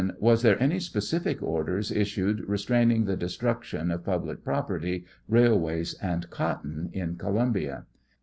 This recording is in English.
Was there any specific orders issued restraining the destruction of public property, railways, and cotton in Columbia